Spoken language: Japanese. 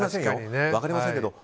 分かりませんけども。